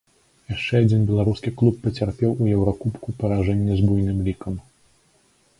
Яшчэ адзін беларускі клуб пацярпеў у еўракубку паражэнне з буйным лікам.